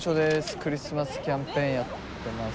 クリスマスキャンペーンやってます。